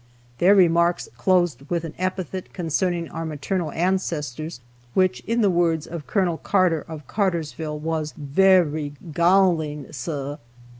their remarks closing with an epithet concerning our maternal ancestors which, in the words of Colonel Carter of Cartersville, was "vehy gallin', suh."